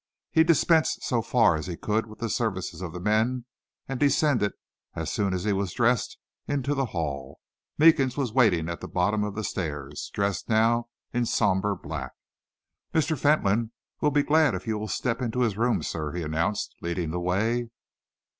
He dispensed so far as he could with the services of the men and descended, as soon as he was dressed, into the hall. Meekins was waiting at the bottom of the stairs, dressed now in somber black. "Mr. Fentolin will be glad if you will step into his room, sir," he announced, leading the way.